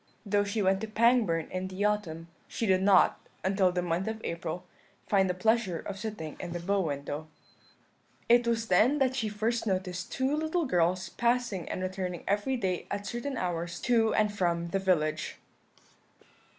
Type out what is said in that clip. Though she went to Pangbourne in the autumn, she did not, until the month of April, find the pleasure of sitting in the bow window. "It was then that she first noticed two little girls passing and returning every day at certain hours to and from the village.